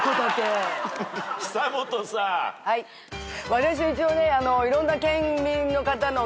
私一応いろんな県民の方の。